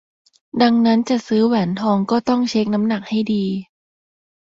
ดังนั้นจะซื้อแหวนทองก็ต้องเช็กน้ำหนักให้ดี